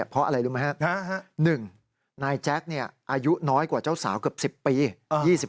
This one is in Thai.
เพราะอะไรรู้ไหมครับ๑นายแจ๊คอายุน้อยกว่าเจ้าสาวเกือบ๑๐ปี